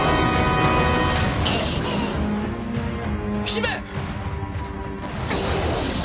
姫！